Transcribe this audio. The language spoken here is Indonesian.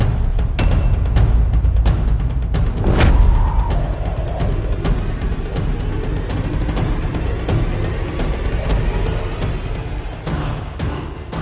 mereka harus dilaporkan